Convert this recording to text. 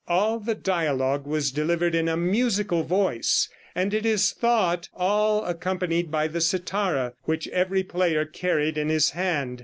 All the dialogue was delivered in a musical voice, and, it is thought, all accompanied by the cithara, which every player carried in his hand.